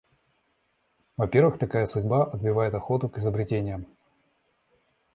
Во-первых, такая судьба отбивает охоту к изобретениям.